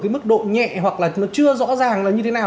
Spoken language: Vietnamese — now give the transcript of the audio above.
mức độ nhẹ hoặc là chưa rõ ràng là như thế nào